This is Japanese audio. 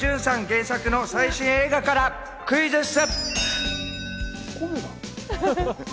原作の最新映画からクイズッス！